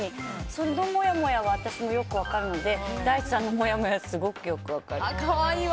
そのもやもやは私もよく分かるので大地さんのもやもやはすごくよく分かる。